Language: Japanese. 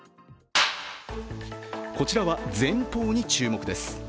こちらは前方に注目です。